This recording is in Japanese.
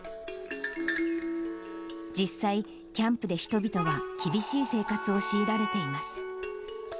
実際、キャンプで人々は厳しい生活を強いられています。